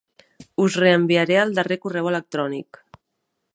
Us reenviaré el darrer correu electrònic.